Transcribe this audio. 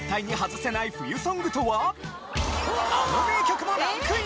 あの名曲もランクイン！